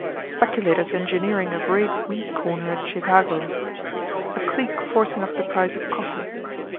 Speculators engineering a great wheat corner at Chicago. A clique forcing up the price of coffee.